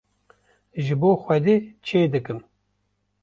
ji bo Xwedê çê dikim.